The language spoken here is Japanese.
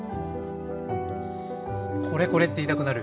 「これこれ！」って言いたくなる。